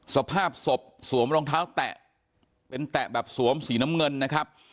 สภาพศพสวมรองเท้าแตะเป็นแตะแบบสวมสีน้ำเงินนะครับ